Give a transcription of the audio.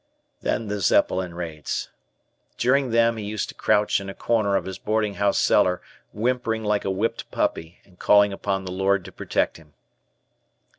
Then the Zeppelin raids during them, he used to crouch in a corner of his boarding house cellar, whimpering like a whipped puppy and calling upon the Lord to protect him.